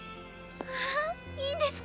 わあいいんですか？